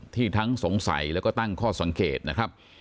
ทั้งสงสัยแล้วก็ตั้งข้อสังเกตนะครับ